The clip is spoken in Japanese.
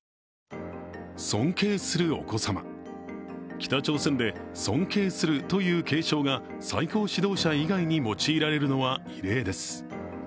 北朝鮮で尊敬するという敬称が最高指導者以外に用いられるのは異例です。